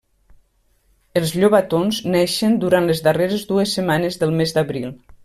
Els llobatons neixen durant les darreres dues setmanes del mes d'abril.